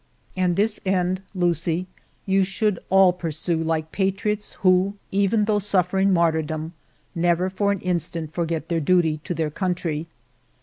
" And this end, Lucie, you should all pursue like patriots who, even though suffering martyr ALFRED DREYFUS 247 dom, never for an instant forget their duty to their country.